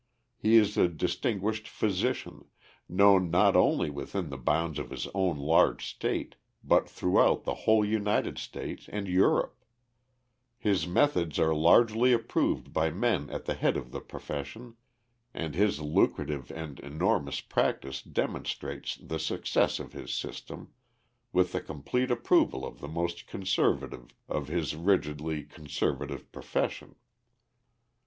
He is a distinguished physician, known not only within the bounds of his own large state, but throughout the whole United States and Europe; his methods are largely approved by men at the head of the profession, and his lucrative and enormous practice demonstrates the success of his system, with the complete approval of the most conservative of his rigidly conservative profession.